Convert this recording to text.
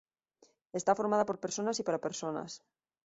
Está formada por personas y para personas.